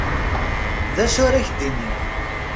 D acu ara k-d-iniɣ.